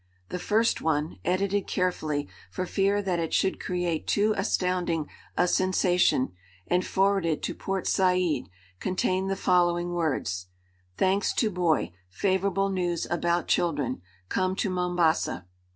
The first one, edited carefully, for fear that it should create too astounding a sensation, and forwarded to Port Said, contained the following words: "Thanks to boy, favorable news about children. Come to Mombasa."